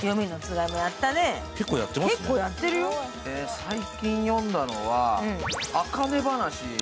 最近読んだのは「あかね噺」。